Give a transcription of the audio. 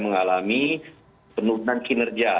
mengalami penurunan kinerja